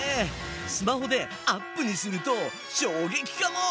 スマホでアップにすると衝撃かも。